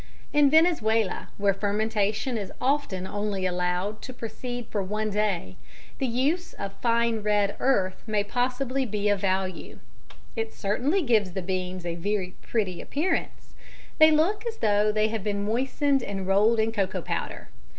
In Venezuela, where fermentation is often only allowed to proceed for one day, the use of fine red earth may possibly be of value. It certainly gives the beans a very pretty appearance; they look as though they have been moistened and rolled in cocoa powder.